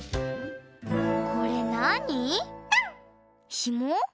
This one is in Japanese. ひも？